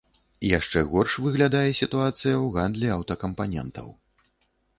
Яшчэ горш выглядае сітуацыя ў гандлі аўтакампанентаў.